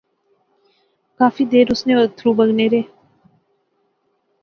کافی دیر اس نے اتھرو بغنے رہے